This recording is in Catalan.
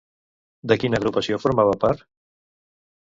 De quina agrupació formava part?